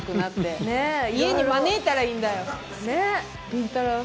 りんたろー。